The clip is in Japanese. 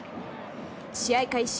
試合開始